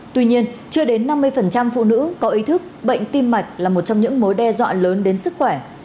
tuy nhiên chưa đến năm mươi phụ nữ có ý thức bệnh tim mạch là một trong những mối đe dọa lớn đến sức khỏe